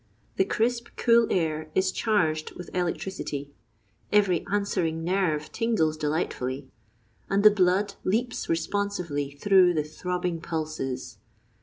The crisp, cool air is charged with electricity; every answering nerve tingles delightfully, and the blood leaps responsively through the throbbing pulses.